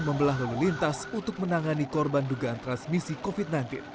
yang telah melintas untuk menangani korban dugaan transmisi covid sembilan belas